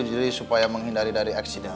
jadi supaya menghindari dari aksiden